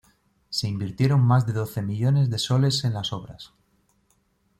Se invirtieron más de doce millones de soles en las obras.